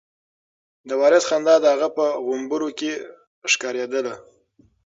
د وارث خندا د هغه په غومبورو کې ښکارېده.